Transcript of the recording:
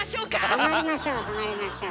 染まりましょう染まりましょう。